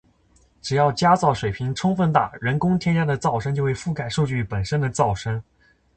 只要加噪水平充分大，人工添加的噪声就会覆盖数据本身的噪声